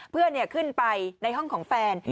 เพื่อนขึ้นไปในห้องของแฟน